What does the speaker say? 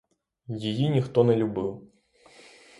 Її ніхто не любив.